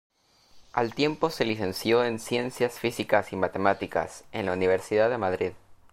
Al tiempo se licenció en Ciencias Físicas y Matemáticas, en la Universidad de Madrid.